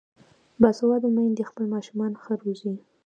باسواده میندې خپل ماشومان ښه روزي.